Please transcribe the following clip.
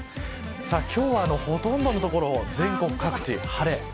今日はほとんどの所、全国各地晴れ。